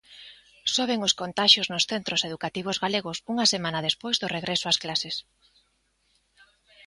Soben os contaxios nos centros educativos galegos unha semana despois do regreso ás clases.